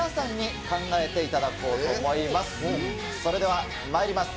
それではまいります。